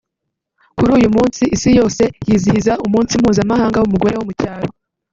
Kuri uyu munsi isi yose yizihiza umunsi mpuzamahanga w’umugore wo mu cyaro